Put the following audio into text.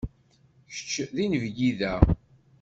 Kečč d inebgi da.